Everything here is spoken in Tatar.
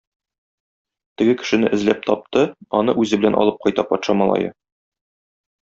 Теге кешене эзләп тапты, аны үзе белән алып кайта патша малае.